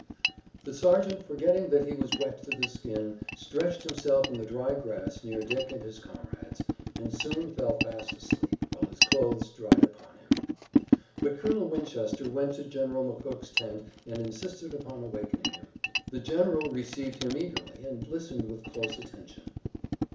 The sergeant, forgetting that he was wet to the skin, stretched himself in the dry grass near Dick and his comrades, and soon fell fast asleep, while his clothes dried upon him. But Colonel Winchester went to General McCook's tent and insisted upon awakening him. The general received him eagerly and listened with close attention.